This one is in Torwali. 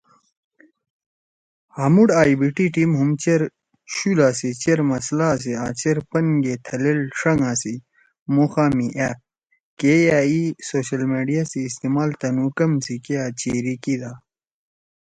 ہامُوڑ ائی بی ٹی ٹیم ہُم چیر شُولا سی، چیر مسئلہ سی آں چیر پن گے تھلیل ݜنگا سی مُوخا می آپ کے یأ ای سوشل میڈیا سی استعمال تُنُو کم سی کیا چیری کیِدا۔ مھو